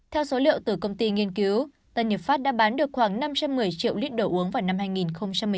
theo số liệu từ công ty nghiên cứu tân nhật pháp đã bán được khoảng năm trăm một mươi triệu lít đồ uống vào năm hai nghìn một mươi chín